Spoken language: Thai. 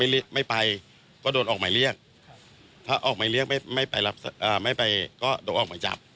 ถ้าไม่ไปก็โดนออกมาเรียกถ้าออกมาเรียกไม่ไปก็โดนออกมาจับ